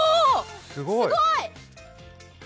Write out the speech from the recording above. すごい！